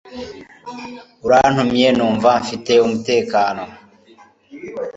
Urantumye numva mfite umutekano